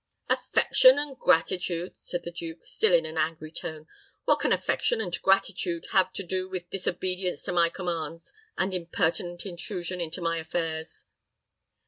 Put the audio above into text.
"Affection and gratitude!" said the duke, still in an angry tone. "What can affection and gratitude have to do with disobedience to my commands, and impertinent intrusion into my affairs?"